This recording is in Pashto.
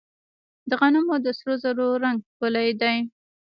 د غنمو د سرو زرو رنګ ښکلی دی.